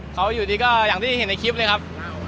เขาอยู่ดีก็อย่างที่เห็นในคลิปเลยครับ